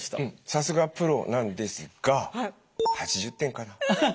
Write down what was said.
さすがプロなんですが８０点かな。